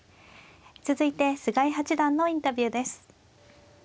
続いて菅井八段のインタビューです。